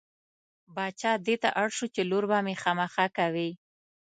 باچا دې ته اړ شو چې لور به مې خامخا کوې.